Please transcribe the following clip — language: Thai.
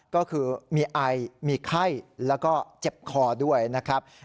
ก็คือมีไอมีไข้แล้วก็เจ็บคอด้วยนะครับ